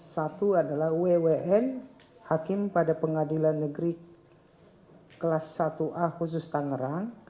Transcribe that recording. satu adalah wwn hakim pada pengadilan negeri kelas satu a khusus tangerang